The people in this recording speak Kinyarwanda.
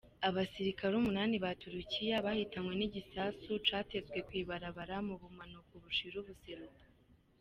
Abasirikare umunani ba Turkiya bahitanywe n'igisasu catezwe kw'ibarabara mu bumanuko bushira ubuseruko.